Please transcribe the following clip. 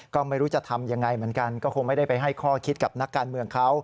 ก็ไม่รู้จะทำยังไงเหมือนกันก็คงไม่ได้ไปให้ข้อคิดกับนักการเมืองเขา